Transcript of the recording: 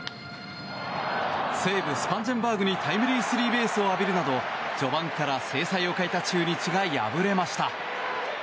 西武、スパンジェンバーグにタイムリースリーベースを浴びるなど序盤から精彩を欠いた中日が敗れました。